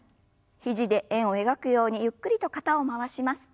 肘で円を描くようにゆっくりと肩を回します。